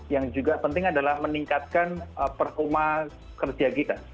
yang juga penting adalah meningkatkan performa kerja kita